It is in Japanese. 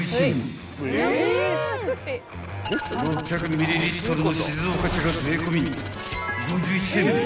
［６００ミリリットルの静岡茶が税込み］